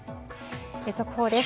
速報です。